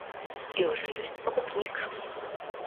І ўжо ёсць пакупнік.